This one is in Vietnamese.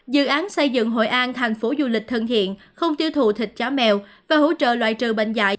dự án xây dựng hội an thành phố du lịch thân thiện không tiêu thụ thịt chó mèo và hỗ trợ loại trừ bệnh dạy